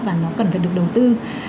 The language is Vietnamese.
và nó cần phải được đầu tư